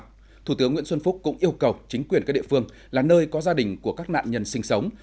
sau đó thủ tướng nguyễn xuân phúc cũng yêu cầu chính quyền các địa phương là nơi có gia đình của các nạn nhân sinh sống